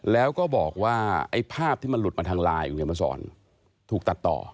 แล้วก็บอกว่าไอ้ภาพที่มันหลุดมาทางไลน์คุณเขียนมาสอนถูกตัดต่อ